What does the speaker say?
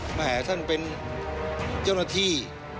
แหมท่านเป็นเจ้าหน้าที่